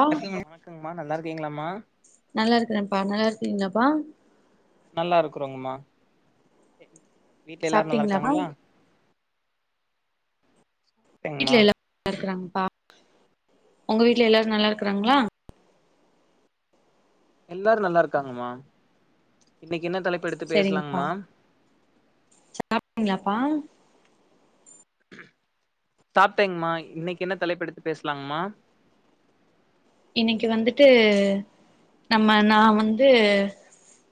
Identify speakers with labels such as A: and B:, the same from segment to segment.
A: ஆ
B: வணக்கங்மா நல்லாருங்கீங்ளாமா
A: நல்லாருக்குறேப்பா நல்லாருக்க நல்லாருக்கீங்களாப்பா
B: நல்லாருக்குறோங்ம்மா வீட்ல எல்லாரு
A: சாப்ட்டீங்களாப்பா
B: நல்லாருக்காங்களா ங்மா
A: வீட்ல எல்லா [inaudible] ல்லா இருக்கறாங்ப்பா உங்க வீட்ல எல்லாரு நல்லாருக்கறாங்ளா
B: எல்லாரு நல்லாருக்காங்கம்மா இன்னைக்கி என்ன தலைப் பெடுத்து
A: சரிங்கப்பா
B: பேசலாங்ம்மா
A: ங்களாப்பா [inaudible]
B: சாப்ட்டேங்ம்மா இன்னைக்கி என்ன தலைப்பெடுத்து பேசலாங்ம்மா
A: இன்னைக்கி வந்துட்டு நம்ம நா வந்து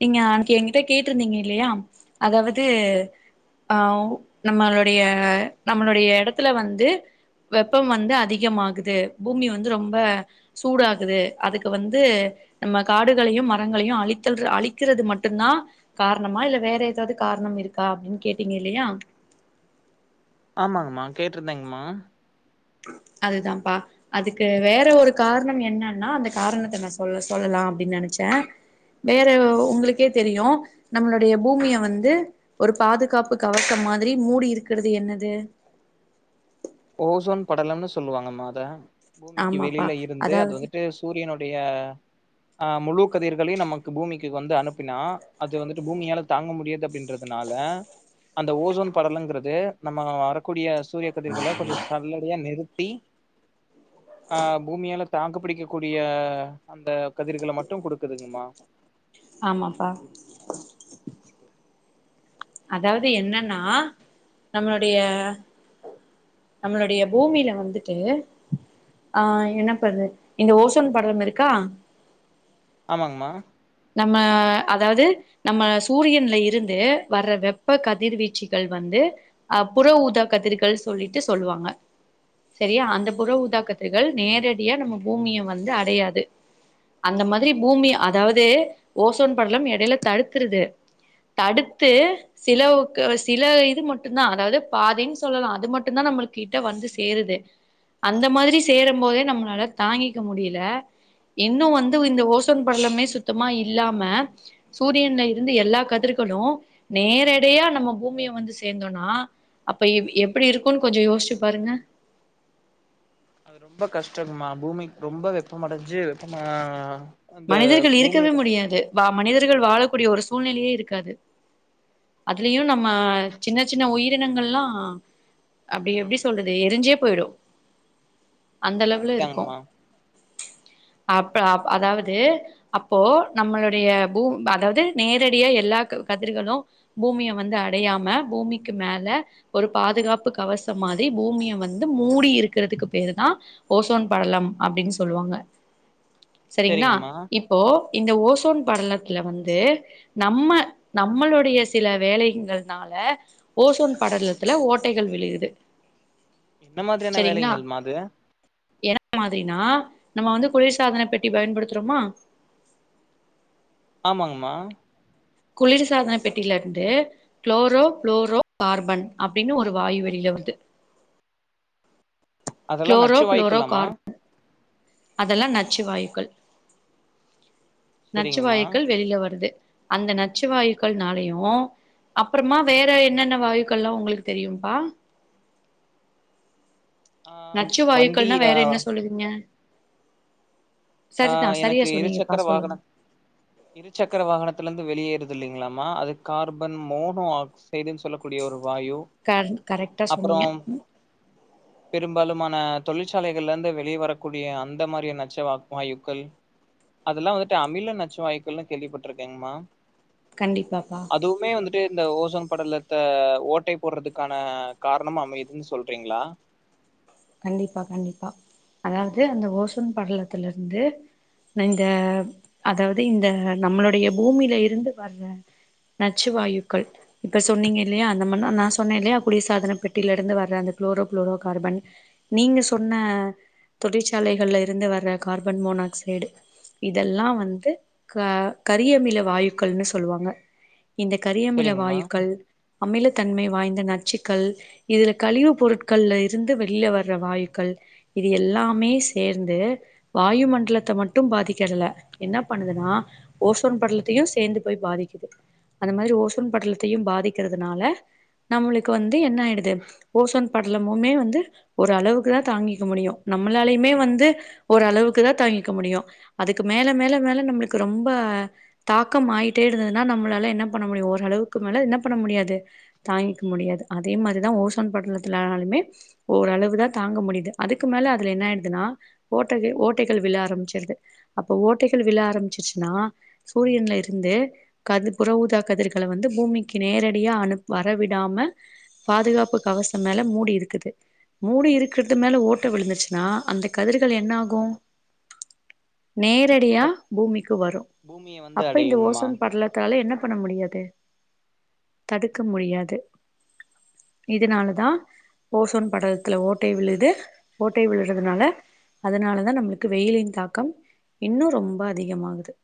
A: நீங்க அன்க்கே எங்கிட்ட கேட்ருந்தீங்க இல்லையா அதாவது ஆவ் நம்மளுடைய நம்மளுடைய எடத்துல வந்து வெப்பம் வந்து அதிகமாகுது பூமி வந்து ரொம்ப சூடாகுது அதுக்கு வந்து நம்ம காடுகளையு மரங்களையு அழித்தல்று அழிக்கறது மட்டும்தா தா காரணமா இல்ல வேற ஏதாவது காரணமிருக்கா அப்டின்னு கேட்டீங்க இல்லையா
B: ஆமாங்ம்மா கேட்ருந்தேங்ம்மா
A: அதுதாப்பா அதுக்கு வேற ஒரு கார்ணம் என்னன்னா அந்த காரணத்த நா சொல் சொல்லல்ல தா அப்டின் நெனச்சே வேற உங்ளுக்கே தெரியு நம்மளுடைய பூமிய வந்து ஒரு பாதுகாப்பு கவசம் மாதிரி மூடிருக்குறது என்னது
B: ஓசோன் படலம்னு சொல்லுவாங்கம்மா அத பூமிக்கி
A: ஆமாப்பா
B: வெளில இருந்து அது
A: அதாவது
B: வந்துட்டு சூரியனோட் டைய ஆ முழு கதிர்களியு நமக்கு பூமிக்கி வந்து அனுப்பினா அது வந்துட்டு பூமியால தாங்க முடியாது அப்டின்றது னால அந்த ஓசோன் படலோங்கறது நம்ம வரக்கூடிய சூரிய கதிர்கள கொஞ்சோ சல்லடையா நிறுத்தி ஆ பூமியால தாக்கு பிடிக்கக் கூடிய அந்த கதிர்கள மட்டு குடுக்குதுங்ம்மா
A: ஆமாப்பா அதாவது என்னன்னா நம்மளுடைய நம்மளுடைய பூமில வந்துட்டு ஆ என்னப்பாது இந்த ஓசோன் படலம் இருக்கா
B: ஆமாங்ம்மா
A: நம்ம அதாவ்து நம்ம சூரியன்ல இருந்து வர்ற வெப்ப கதிர்வீச்சிகள் வந்து து அ புற ஊதா கதிர்கள் சொல்லிட்டு சொல்வாங்க செரியா அந்த புற
B: சரிங்கம்மா
A: ஊதாக்கதிர்கள் நேரட் டியா நம்ப பூமிய வந்து அடயாது அந்த மாதிரி பூமிய அதாவ து ஓசோன் படலம் எடைல தடுத்றுது தடுத்து சிலவுக்கு சில இது மட்டுந்தா அதாவது பாதின் சொல்லலா அது மட்டுந்தா நம்ளுக் கிட்ட வந்து சேருது அந்த மாதிரி சேரம் போதே நம்ளால தாங்கிக்க முடில இன்னு வந்து இந்த ஓசோன் படலமே சுத் தமா இல்லாம சூரியன்ல இருந்து எல்லா கதிர்களூ நேரடியா நம்ப பூமிய வந்து சேந்தோன்னா அப்ப எ எப்டி இருக்கூன் கொஞ்சோ யோஸ்ச்சு பாருங்க
B: அது ரொம்ப கஷ்டங்மா பூமிக் ரொம்ப வெப்பமடஞ்சு வெப்ப மா
A: மனிதர்கள் இருக்கவே முடியாது வா மனிதர்கள் வாழக்கூடிய ஒரு சூழ்நிலயே இருக்காது அதுலயு நம்ம சின்ன சின்ன உயிரினங்கள்லா அப்டி எப்டி
B: ம்
A: சொல்றது எரிஞ்சே போய்டு அந்தளவுல இருக்கோ
B: சரிதாங்கம்மா
A: அப் அ அதாவது து அப்போ நம்மளுடைய பூ அதாவது நேரடிய எல்லா க கதிர்களு பூம் பூமிய வந்து அடயாம பூமிக்கு மேல ஒரு பாதுகாப்பு கவசம் மாதிரி பூமிய வந்து மூ மூடி இருக்கிறதுக்கு பேரு தா ஓசோன் படலம் அப்டின் சொல்வாங்க செரிங்ளா
B: சரிங்கம்மா
A: இப்போ இந்த ஓசோன் படலத்துல வந்து நம்ம நம்மளுடைய சில வேலைங்கள்னால ல ஓசோன் படலத்துல ஓட்டைகள் விழுகுது
B: என்ன மாதிரியான
A: சரிங்ளா
B: வேலைங்கள்மா அது
A: [inaudible] மாதிரினா நம்ம வந்து குளிர் சாதனப் பெட்டி பயன்படுத்துறோமா
B: ஆமாங்க மா
A: குளிர் சாதன பெட்டிலிருந்து க்ளோரோ ஃப்ளோரோ கார்பன் அப்டினு ஒரு வாயு வெளில வருது
B: அதல்லா நச்சு வாயுக்குள்லா மா
A: அதல்லா நச்சுவாயுக்கள்
B: சரிங்கம்மா
A: நச்சுவாயுக்கள் வெளில வருது அந்த நச்சுவாயுக்கள்னாலயூ அப்றமா வேற என்னென்ன வாயுக்கள்லா உங்ளுக்கு தெரியு பா
B: ஆ வண்டி
A: நச்சுவாயுக்கள்னா
B: ஆ
A: வேற என்ன சொல்லுவிங்க
B: ஆ
A: சரியா
B: எனக்கு இரு
A: சொன்னீங்கப்பா
B: சக்கர வாகன
A: சொல்லுங்க
B: இரு சக்கர வாகனத்துலிந்து வெளியேறுதில்லைங் ங்ளாமா அது கார்பன் மோனோ ஆக்ஸ் ஸைடுன்னு சொல்லக்கூடிய ஒரு வாயு
A: க கரெக்டா சொன்னீங்க
B: அப்றோம் பெரும்பாலுமான தொழிற்சாலைகள்லிந்து வெளி வரக்கூடிய அந்த மாரி நச்சுவாக் வாயுக்கள் அதெல்லா வந்துட்டு அமில நச்சு வாயுக்கள்னு கேள்விப்பட்ருக்கேங்ம்மா
A: கண்டிப்பாப்பா
B: ட்டு இந்த ஓசோன் படலத்த ஓட்டை போடுறதுக்கான காரணம் அமைதுன் சொல்றீங்களா
A: கண்டிப்பா கண்டிப்பா அதாவது அந்த ஓசோன் படலத்துலிருந்து இந்த அதாவது இந்த நம்மளுடைய பூமியில இருந்து வர நச்சுவாயுக்கள் இப்ப சொன்னீங்க இல்லையா அந்த ம நான் சொன்னே இல்லையா குளிர்சாதன பெட்டிலிருந்து வர அந்த க்ளோரோ ப்ளூரோ கார்பன் நீங்க சொன்ன தொழிற்சாலைகள்ல இருந்து வர்ற கார்பன் மோனாக்சைடு இதெல்லா வந்து க கரியமில வாயுக்கள்னு சொல்லுவாங்க இந்த கரியமில
B: சரிங்கம்மா.
A: வாயுக்கள் அமிலத்தன்மை வாய்ந்த நச்சுக்கள் இதுல கழிவு பொருட்கள்ல இருந்து வெளில வர் ர்ற வாயுக்கள் இது எல்லாமே சேர்ந்து வாயு மண்டலத்த மட்டு பாதிக்கர்ல என்னா பண்ணுதுனா ஓசோன் படலத்தையு சேந்து போய் பாதிக்குது அது மாரி ஓசோன் படலத்தையும் பாதிக்கிறதுனால நம்மளுக்கு வந்து என்னகயிடுது ஓசோன் படலமுமே வந்து ஒரு அளவுக்கு தா தாங்கிக்க முடியு நம்மளாலயுமே வந்து ஒரு அளவுக்கு தா தாங்கிக்க முடியு அதுக்கு மே மேல மேல மேல நம்மளுக்கு ரொம்ப தாக்க ஆயிட்டே இருந்ததுன்னா நம்மளால என்ன பண்ண முடியு ஓரளவுக்கு மே நம்மனால்ல என்ன பண்ண முடியாது தாங்கிக்க முடியாது அதே மாரிதா ஓசோன் படலத்தினாலுமே ஓரளவுதா தாங்க முடியுது அதுக்கு மேல அதுல என்னாயிடுதுன்னா ஓட்டையில் ஓட்டைகள் விழ ஆரம்பிச்சிருது அப்போ ஓட்டைகள் விழ ஆரம்பிச்சிச்சுன்னா சூரியன்ல இருந்து கதி புற ஊதா கதிர்கள வந்து பூமிக்கு நேரடியா அனுப் வரவிடாம பாதுகாப்பு கவச மேல மூடிருக்குது மூடி இருக்கிறது மேல ஓட்ட விழுந்துச்சுன்னா அந்த கதிர்கள் என்னாகு நேரடியா
B: அந்த
A: பூமிக்கு வரு
B: பூமிய வந்து
A: அப்போ இந்த
B: அடையுங்கம்மா.
A: ஓசோன் படலத்தால என்ன பண்ண முடியாது தடுக்க முடியாது இதனாலதா ஓசோன் படலத்துல ஓட்டை விழுது ஓட்டை விழுறதுனால அதனாலதா நம்மளுக்கு வெயிலின் தாக்க இன்னு ரொம்ப அதிகமாகுது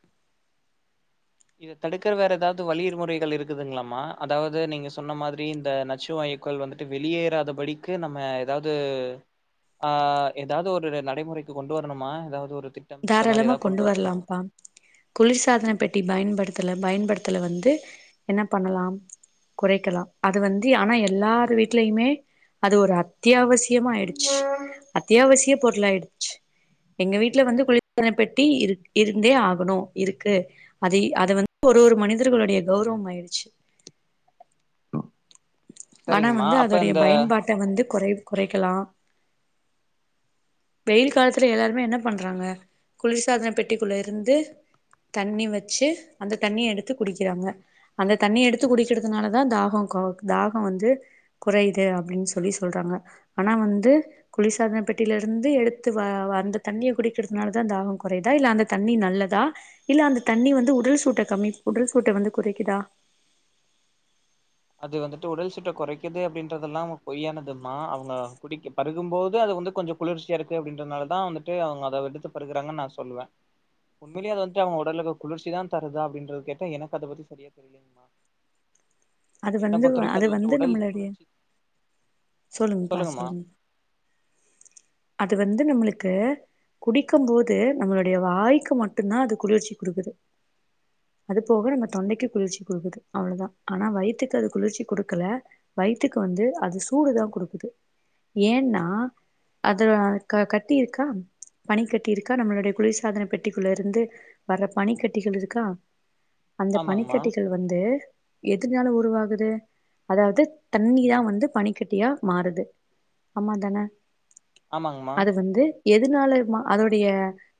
B: இத தடுக்கிற வேற ஏதாவது வழிர் முறைகள் இருக்குதுங்களாமா அதாவது நீங்க சொன்ன மாதிரி இந்த நச்சு வாய் க்கள் வந்துட்டு வெளியேறாதபடிக்கு நம்ம ஏதாது ஆ ஏதாவது ஒரு நடைமுறைக்கு கொண்டு வரணுமா ஏதாவது ஒரு திட்டம் இந்த மாரி
A: தாராளமா
B: ஏதாவது
A: கொண்டு
B: வரணுமா?
A: வரலாம்ப்பா குளிர் சாதன பெட்டி பயன்படுத் த்ல பயன்படுத்தல வந்து என்ன பண்ணலா குறைக்கலா அது வந்து ஆனா எல்லார் வீட்லயுமே அது ஒரு அத்தியாவசியமாயிடுச்சு அத்தியாவசிய பொருள்ளாயிருச்சு எங்க வீட்ல வந்து குளிர்சாதனபெட்டி இரு இருந்தே ஆகணு இருக்கு அதை அத வந்து ஒரு ஒரு மனிதர்களுடைய கௌரோம் ஆய்ருச்சு அ ஆனா
B: சரிங்கம்மா.
A: வந்து
B: அப்ப
A: அதோடைய
B: இந்த
A: பயன்பாட்ட வந்து குறை குறைக்கலா வெயில் காலத்துல எல்லாருமே என்ன பண்றாங்க குளிர்சாதன பெட்டிக்குள்ள இருந்து தண்ணி வச்சு அந்த தண்ணிய எடுத்து குடிக்கிறாங்க அந்த தண்ணி எடுத்து குடிக்கிறதுனால தாகொ கோ தாகொ வந்து குறையுது அப்படின்னு சொல்லி சொல்றாங்க ஆனா வந்து குளிர்சாதன பெட்டியிலிருந்து எடுத்து வ வந்து தண்ணிய குடுச்சுடு அதனாலதா தாகொ கொறையுதா இல்ல அந்த தண்ணி நல்லதா இல்ல அந்த தண்ணி வந்து உடல் சூட்ட கம்மி உடல் சூட்ட வந்து குறைக்குதா
B: அது வந்துட்டு உடல் சுட்ட குறைக்குது அப்படின்றதெல்லா அவங்க பொய்யானதுமா அவங்க குடிக்க பருகும்போது அது வந் வந்து கொஞ்ஜோ குளிர்ச்சியாருக்கு அப்படின்றனாலதா வந்துட்டு அவங்க அத எடுத்து பருகுறாங்கன் நா சொல்வே உண்மையிலயே அதது வந்துட்டு அவ உடலுக்கு குளிர்ச்சி தா தருதா அப்டின்றது கேட்டா எனக்கு அத பத்தி சரியா தெரியலங்
A: அது வந்து அது வந்து
B: உடல்
A: நம்மளடைய
B: குளிர்ச்சி
A: சொல்லுங்கப்பா
B: சொல்லுங்கம்மா
A: சொல்லுங்க அது வந்து நம்மளுக்கு குடிக்கும் போது நம்மளுடைய வாய்க்கு மட்டுந்தா அது குளிர்ச்சி குடுக்குது அது போக நம்ம தொண்டைக்கு குளிர்ச்சி கொடுக்குது அவ்வளவுதா ஆனா வய வயத்துக்கு அது குளிர்ச்சி குடுக்கல வயித்துக்கு வந்து அது சூடுதா குடுக்குது ஏன்னா அதுல க கட்டியிருக்கா பனிக்கட்டி இருக்கா நம்மளுடைய குளிர்சாதன பெட்டிக்குள்ள இருந்து வர்ற பனிக்கட்டிகள் இருக்கா அந்த
B: ஆமாங்கம்மா
A: பனிக்கட்டிகள் வந்து எதிர் னால உருவாகுது அதாவது தண்ணிதா வந்து பனிக்கட்டியா மாறுது ஆமா தானே
B: ஆமாங்கமா
A: எதுனால அதோடைய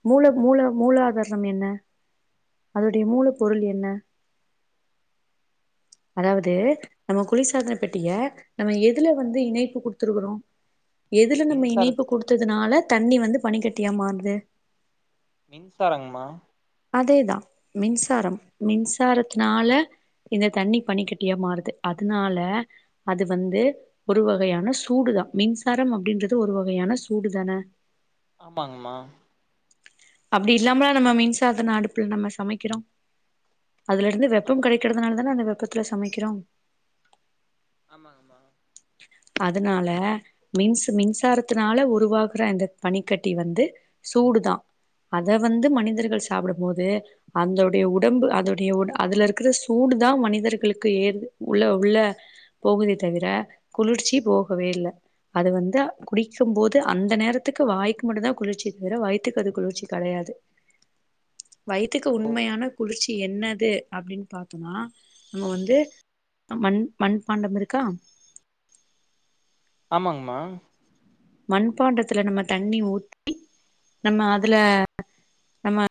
A: மூல மூல மூல மூலதாரணம் என்ன அதோடைய மூல பொருள் என்ன
B: அவரோட
A: அதாவது
B: மூளக்கு
A: நம்ம குளிர் சாதனை ப்பெட்டிய நம்ம எதுல வந்து இணைப்பு குடுத்துருக்கறோ எதுல நம்ம இணைப்பு
B: மின்சாரத்தினால
A: குடுத்ததுனால தண்ணி வந்து பனிகட்டியா மாறுது
B: மின்சாரங்மா
A: அதேதா மின்சாரம் மின்சாரத்துனால இந்த தண்ணி பனிக்கட்டியா மாறுது அதுனால அது வந்து ஒரு வகையான சூடு மின்சாரம் அப்டின்றது ஒரு வகையான சூடு தான
B: ஆமாங்மா
A: அப்டி இல்லாமலா நம்ம மின்சாதன அடுப்புல நம்ம சமைக்கிறோ அதுல இருந்து வெப்பம்
B: ஆமாங்கம்மா
A: கெடைக்கிறதுனால தான அந்த வெப்பத்துல சமைக்கிறோ
B: ஆமாங்கமா
A: அதனால மின்சு மின்சாரத்துனால உருவாகற அந்த பனிக்கட்டி வந்து சூடுதா அத வந்து மனிதர்கள் சாப்டும்போது அந்தோடைய உடம்பு அதோடைய உ அதுல இருக்கிற சூடுதா மனிதர்களுக்கு ஏறுது உள உள்ள போகுதே தவிர குளிர்ச்சி போகவே இல்ல அது வந்து குடிக் ம் போது அந்த நேரத்துக்கு வாய்க்கு மட்டுந்தா குளிர்ச்சியே தவிர வயித்துக்கு அது குளிர்ச்சி கெடையாது வயித்துக்கு
B: ஓ
A: உண்மையான குளிர்ச்சி என்னது அப்டின் பாத்தோனா நம்ம வந்து மண் மண்பாண்டம் இருக்கா
B: ஆமாங்மா
A: மண்பாண்டத்துல நம்ம தண்ணி ஊத்தி நம்ம அதுல நம்ம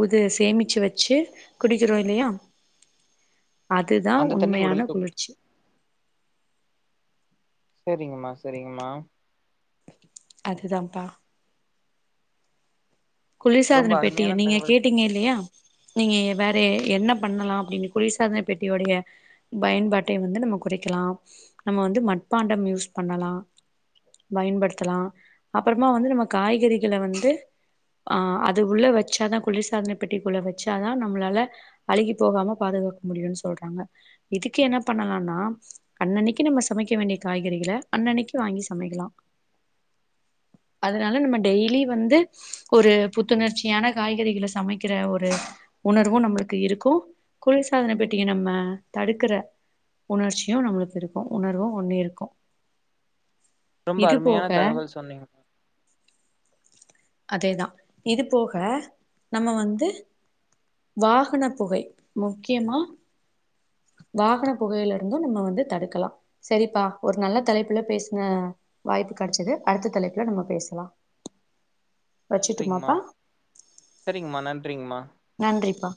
A: உது சேமிச்சு வச்சு குடிக்கிறோ இல்லையா அதுதா
B: அந்த தண்ணி
A: உண்மையான
B: உடலுக்கு
A: குளிர்ச்சி
B: சரிங்கமா சரிங்கமா
A: அதுதாம்ப்பா
B: ரொம்ப
A: குளிர்சாதன பெட்டிய
B: அருமையான
A: நீங்க
B: தகவல்
A: கேட்டிங்க
B: சொன்னீங்கம்மா
A: இல்லையா நீங்க வேற என்ன பண்ணலா அப்படினு குளிர்சாதன பெட்டியோடைய பயன்பாட்டை வந்து நம்ம குறைக்க லா நம்ம வந்து மட்பாண்டம் யூஸ் பண்ணலா பயன்படுத்தலா அப்பறமா வந்து நம்ம காய்கறிகள வந்து ஆ அது உள்ள வச்சாதா குளிர்சாதன பெட்டிக்குள்ள வச்சாதா நம்மளால அழுகி போகாம பாதுகாக்க முடியுன் சொல்றாங்க இதுக்கு என்ன பண்ணலானா அன்னன்னைக்கு நம்ம சமைக்க வேண்டிய காய்கறிகள அன்னன்னைக்கு வாங்கி சமைக்கலா அதனால நம்ம டெய்லி வந்து ஒரு புத்துணர்ச்சியான காய்கறிகள சமைக்கிற ஒரு உணர்வு நம்மளுக்கு இருக்கு குளி ர்சாதன பெட்டிய நம்ம தடுக்கற உணர்ச்சியு நம்மளுக்கு இருக்கு உணர்வு ஒண்ணு இருக்கு
B: ரொம்ப
A: இது
B: அருமையான
A: போக
B: தகவல் சொன்னிங்கமா
A: அதேதா இது போக நம்ம வந்து வாகன புகை முக்கியமா வாகன புகையில இருந்து நம்ம வந்து தடுக்கலா சரிப்பா ஒரு நல்ல தலைப்புல பேசின வாய்ப் பு கெடைச்சுது அடுத்த தலைப்புல நம்ம பேசலா வச்சுர்ட்டுமாப்பா
B: சரிங்மா நன்றிங்மா
A: நன்றிப்பா